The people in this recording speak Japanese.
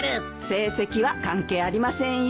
成績は関係ありませんよ。